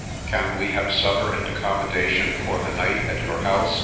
" Can we have supper and accommodation for the night at your house